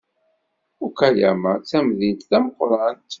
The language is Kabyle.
Okayama d tamdint tameqrant?